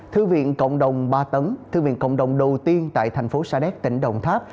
thư viện cộng đồng ba tấn thư viện cộng đồng đầu tiên tại thành phố sa đéc tỉnh đồng tháp